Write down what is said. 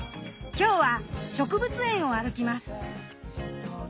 今日は植物園を歩きます。